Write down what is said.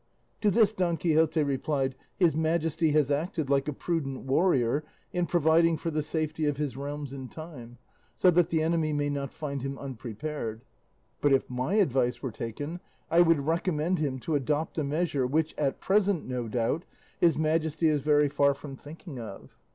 To this Don Quixote replied, "His Majesty has acted like a prudent warrior in providing for the safety of his realms in time, so that the enemy may not find him unprepared; but if my advice were taken I would recommend him to adopt a measure which at present, no doubt, his Majesty is very far from thinking of."